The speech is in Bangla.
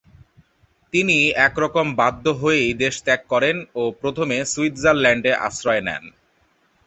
তিনি একরকম বাধ্য হয়েই দেশত্যাগ করেন ও প্রথমে সুইৎজারল্যান্ডে আশ্রয় নেন।